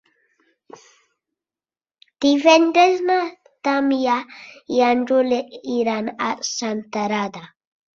Divendres na Damià i en Juli iran a Senterada.